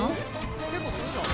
結構するじゃん。